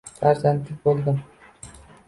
Farzandlik bo'ldim.